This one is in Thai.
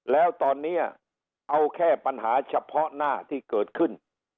แล้วตอนนี้เอาแค่ปัญหาเฉพาะหน้าที่เกิดขึ้น